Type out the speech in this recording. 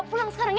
pulang sekarang ya